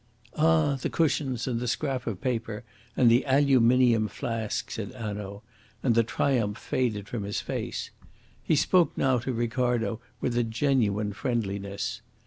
"Ah, the cushions, and the scrap of paper, and the aluminium flask," said Hanaud; and the triumph faded from his face. He spoke now to Ricardo with a genuine friendliness.